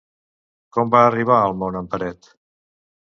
Com va arribar al món en Peret?